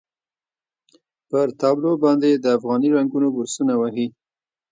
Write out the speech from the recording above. پر تابلو باندې یې د افغاني رنګونو برسونه وهي.